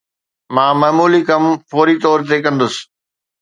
مان معمولي ڪم فوري طور تي ڪندس